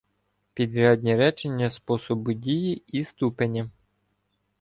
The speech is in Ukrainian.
Підрядні речення способу дії і ступеня